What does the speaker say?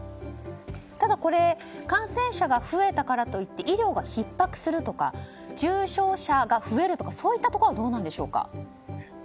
ただ、これ感染者が増えたからといって医療がひっ迫するとか重症者が増えるとかそういったところはどうなんでしょうか？